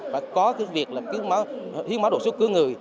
và có cái việc hiến máu đột xuống cứu người